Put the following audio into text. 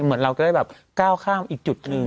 เหมือนจะมีแบบก้าวข้ามอีกจุดอื่น